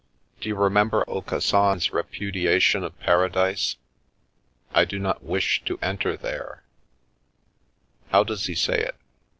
Do you remember Aucassin's repudiation of Paradise? ' I do not wish to enter there ' How does he say it